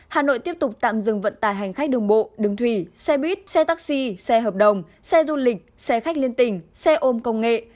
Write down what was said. hà nội tiếp tục tạm dừng vận tải hành khách đường bộ đường thủy xe buýt xe taxi xe hợp đồng xe du lịch xe khách liên tỉnh xe ôm công nghệ